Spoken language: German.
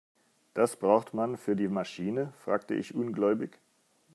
Das braucht man für die Maschine?, fragte ich ungläubig.